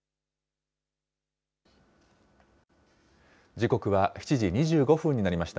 時刻は７時２５分になりました。